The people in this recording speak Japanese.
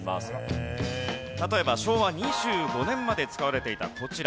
例えば昭和２５年まで使われていたこちら。